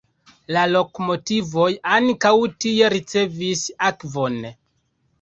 La lokomotivoj ankaŭ tie ricevis akvon.